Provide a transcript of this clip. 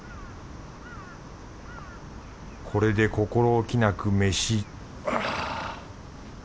これで心おきなく飯はぁ。